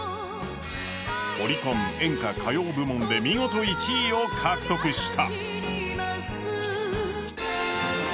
オリコン、演歌・歌謡部門で見事１位を獲得した。